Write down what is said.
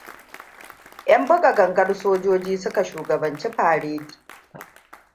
'Yan buga gangan sojoji suka shugabanci faredi.